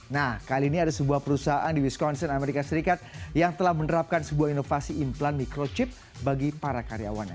nah kali ini ada sebuah perusahaan di wisconson amerika serikat yang telah menerapkan sebuah inovasi implan microchip bagi para karyawannya